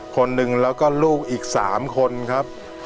คนหนึ่งแล้วก็ลูกอีก๓คนครับ